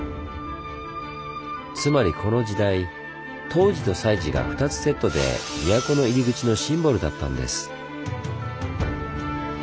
つまりこの時代東寺と西寺が２つセットで都の入り口のシンボルだったんです。